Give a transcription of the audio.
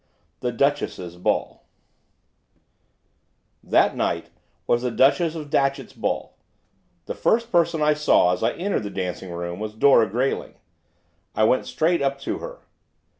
THE DUCHESS' BALL That night was the Duchess of Datchet's ball the first person I saw as I entered the dancing room was Dora Grayling. I went straight up to her.